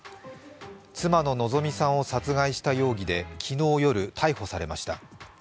妻の希美さんを殺害した容疑で昨日夜、逮捕されました。